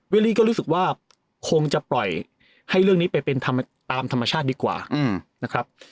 ลี่ก็รู้สึกว่าคงจะปล่อยให้เรื่องนี้ไปเป็นตามธรรมชาติดีกว่านะครับ